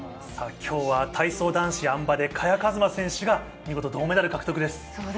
今日は体操男子あん馬で萱和磨選手が見事銅メダル獲得です。